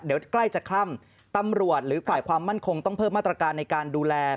เดี๋ยวใกล้จะคล่ำตำรวจหรือฝ่ายความมั่นคงต้องเพิ่มมาตรการในการดูแล